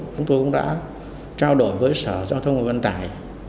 chúng tôi cũng đã trao đổi với sở giao thông vận tải